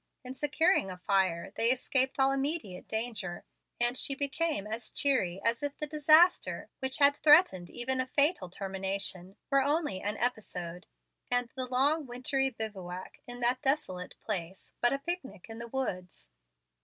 In securing a fire, they escaped all immediate danger, and she became as cheery as if the disaster, which had threatened even a fatal termination, were only an episode, and the long, wintry bivouac, in that desolate place, but a picnic in the woods.